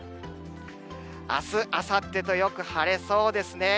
あす、あさってとよく晴れそうですね。